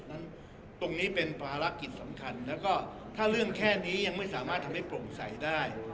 นั้นตรงนี้เป็นภารกิจสำคัญแล้วก็ถ้าเรื่องแค่นี้ยังไม่สามารถทำให้โปร่งใสได้